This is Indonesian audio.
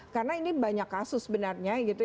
karena ini banyak kasus sebenarnya